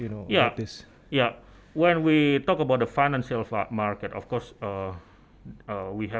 ya ketika kita berbicara tentang pasar keuangan